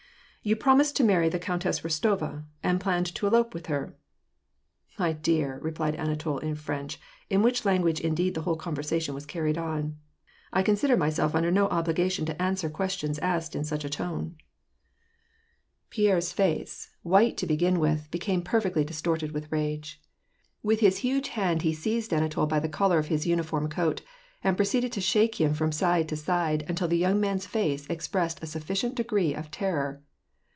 " You promised to marry the Countess Rostova, and planned to elope with her ?"" My dear," replied Anatol, in French, in which language indeed the whole conversation was carried on, "T consider myself under no obligation to answer questions asked in such a tone." 384 WAR AND PEACE. Pierre's face, white to begin with, became perfectly dis torted with rage. With his huge hand he seized Anatol by the collar of his uniform coat, and proceeded to shake him from side to side until the young man's face expressed a sufficient degree of terror.